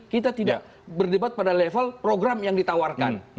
kita tidak berdebat pada level program yang ditawarkan